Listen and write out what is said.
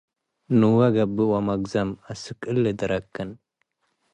ንዌ ገብእ ወመግዘም፣ አስክ እሊ ደረክን